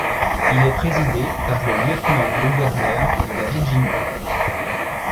Il est présidé par le lieutenant-gouverneur de la Virginie.